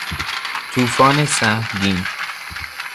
توفان سهمگین